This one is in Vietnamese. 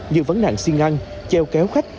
như vấn nạn xiên ngăn treo kéo khách